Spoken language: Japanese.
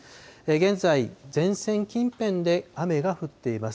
現在、前線近辺で雨が降っています。